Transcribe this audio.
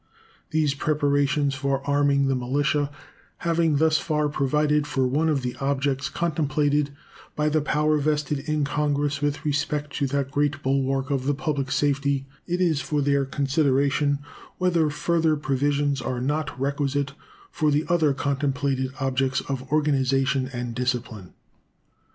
These preparations for arming the militia having thus far provided for one of the objects contemplated by the power vested in Congress with respect to that great bulwark of the public safety, it is for their consideration whether further provisions are not requisite for the other contemplated objects of organization and discipline.